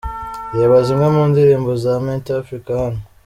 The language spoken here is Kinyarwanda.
Reba zimwe mu ndirimbo za Mentor Africa hano .